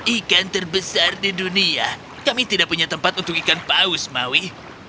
ikan terbesar di dunia kami tidak punya tempat untuk ikan paus maui